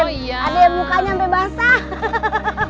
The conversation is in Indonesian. ada yang mukanya sampe basah